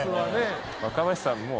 若林さんも。